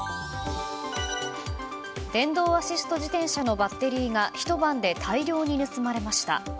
電動アシスト自転車のバッテリーがひと晩で大量に盗まれました。